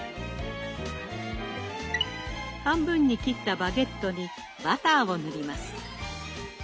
半分に切ったバゲットにバターを塗ります。